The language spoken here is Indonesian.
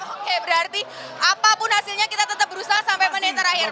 oke berarti apapun hasilnya kita tetap berusaha sampai menit terakhir